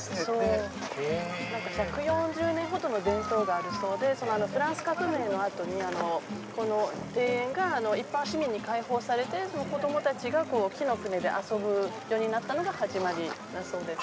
１４０年ほどの伝統があるそうでフランス革命のあとにこの庭園が一般市民に開放されて子どもたちが木の舟で遊ぶようになったのが始まりだそうです。